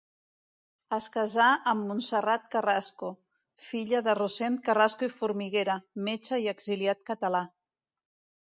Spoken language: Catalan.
Es casà amb Montserrat Carrasco, filla de Rossend Carrasco i Formiguera, metge i exiliat català.